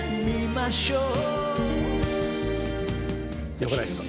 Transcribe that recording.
良くないですか？